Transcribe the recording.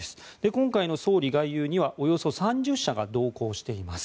今回の総理外遊にはおよそ３０社が同行しています。